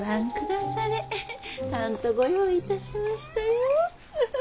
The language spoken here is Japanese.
たんとご用意いたしましたよ。